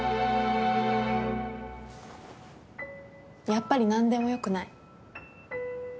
やっぱり何でも良くない。